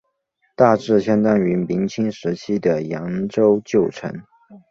大致相当于明清时期的扬州旧城。